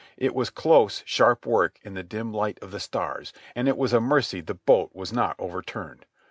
It was close, sharp work in the dim light of the stars, and it was a mercy the boat was not overturned.